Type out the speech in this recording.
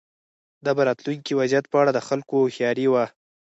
دا به د راتلونکي وضعیت په اړه د خلکو هوښیاري وه.